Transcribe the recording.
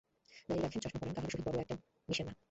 দাড়ি রাখেন, চশমা পরেন, কাহারও সহিত বড়ো একটা মিশেন না।